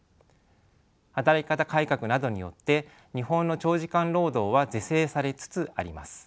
働き方改革などによって日本の長時間労働は是正されつつあります。